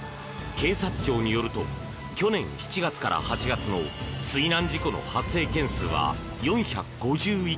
警察庁によると去年７月から８月の水難事故の発生件数は４５１件。